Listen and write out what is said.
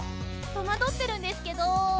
とまどってるんですけど。